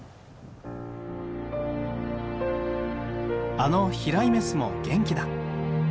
あの飛来メスも元気だ。